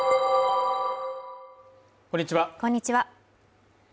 こんにちは